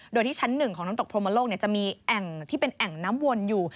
โดยที่ชั้น๑ของน้ำตกพรมโลกจะมีแอ่งที่เป็นแอ่งน้ำวนอยู่